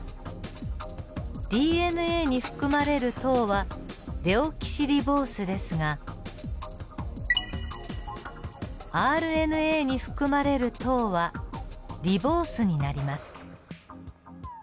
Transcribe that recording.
ＤＮＡに含まれる糖はデオキシリボースですがＲＮＡに含まれる糖はリボースになります。